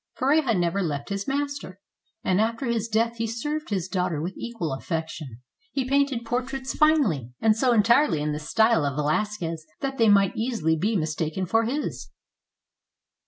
Pareja never left his master; and after his death he served his daughter with equal affection. He painted portraits finely, and so entirely in the style of Velas quez that they might easily be mistaken for his.